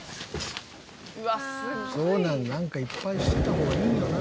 こんなんなんかいっぱいしといた方がいいよな。